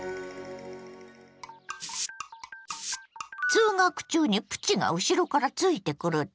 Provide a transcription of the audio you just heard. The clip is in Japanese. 通学中にプチが後ろからついてくるって？